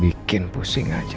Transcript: bikin pusing saja